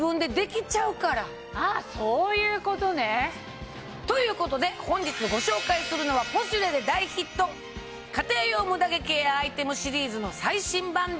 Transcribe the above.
あそういうことね。ということで本日ご紹介するのは『ポシュレ』で大ヒット家庭用ムダ毛ケアアイテムシリーズの最新版です。